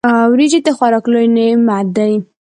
وريجي د خوراک لوی نعمت دی.